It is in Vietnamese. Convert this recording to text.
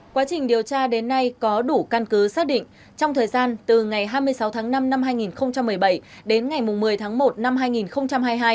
quá trình điều tra đến nay có đủ căn cứ xác định trong thời gian từ ngày hai mươi sáu tháng năm năm hai nghìn một mươi bảy đến ngày một mươi tháng một năm hai nghìn hai mươi hai